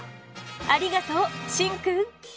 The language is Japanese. ありがとうシンくん！